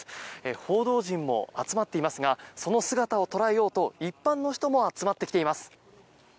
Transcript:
報道陣も集まっていますがその姿を捉えようと一般の人も集まってきています。